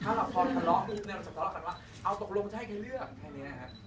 ถ้าเราพอทะเลาะปุ๊บเนี่ยเราจะทะเลาะกันว่าเอาตกลงจะให้ใครเลือกแค่นี้นะครับ